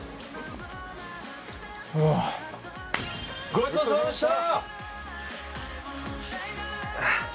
ごちそうさまでした！